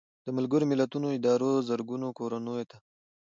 د ملګرو ملتونو ادارو زرګونو کورنیو ته